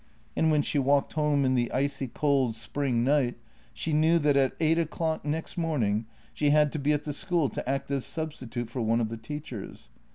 And when she walked home in the icy cold spring night she knew that at eight o'clock next morn ing she had to be at the school to act as substitute for one of the teachers.